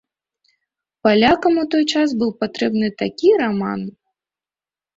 Палякам у той час быў патрэбны такі раман.